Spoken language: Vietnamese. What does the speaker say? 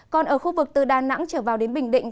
còn ở khu vực từ đà nẵng trở vào đến bình định